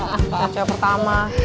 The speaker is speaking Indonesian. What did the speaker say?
coba cewek pertama